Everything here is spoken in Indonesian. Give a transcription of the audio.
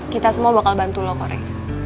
kita semua bakal bantu lo korea